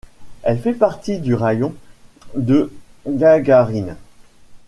Elle fait partie du Raïon de Gagarine.